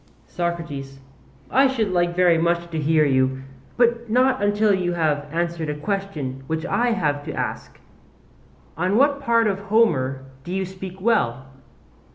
SOCRATES: I should like very much to hear you, but not until you have answered a question which I have to ask. On what part of Homer do you speak well?